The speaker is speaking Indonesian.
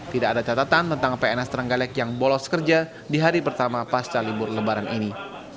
tidak ada catatan tentang pns terenggalek yang bolos kerja di hari pertama pasca libur lebaran ini